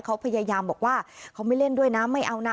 เขาพยายามบอกว่าเขาไม่เล่นด้วยนะไม่เอานะ